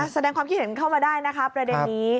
แสดงความคิดเห็นเข้ามาได้นะคะประเด็นนี้